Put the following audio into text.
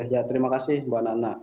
ya terima kasih mbak nana